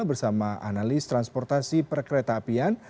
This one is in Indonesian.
bersama analis transportasi per kereta apian